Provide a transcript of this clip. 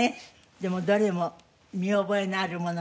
でもどれも見覚えのあるものばっかりで。